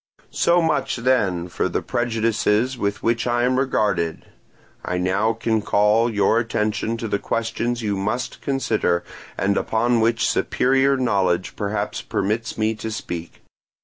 "So much then for the prejudices with which I am regarded: I now can call your attention to the questions you must consider, and upon which superior knowledge perhaps permits me to speak.